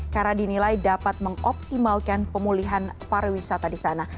karena dinilai dapat mengoptimalkan pemulihan pariwisata di sana